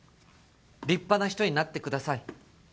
立派な人になってください